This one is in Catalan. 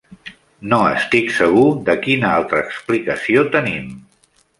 No estic segur de quina altra explicació tenim.